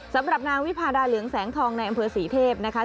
สำหรับนางวิพาดาเหลืองแสงทองในอำเภอศรีเทพนะคะ